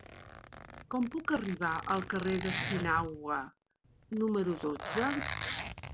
Com puc arribar al carrer d'Espinauga número dotze?